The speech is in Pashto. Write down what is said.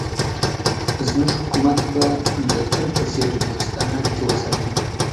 زموږ حکومت به د تل په څېر دوستانه اړیکې وساتي.